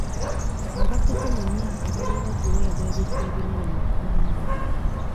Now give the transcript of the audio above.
Abakuze mu myaka balina okuweebwa ebifo ebinene mu ggwanga.